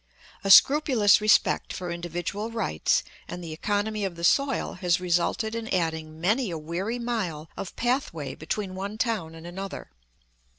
A scrupulous respect for individual rights and the economy of the soil has resulted in adding many a weary mile of pathway between one town and another.